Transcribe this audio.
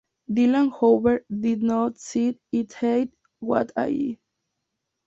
Dylan however did not see it that way at all.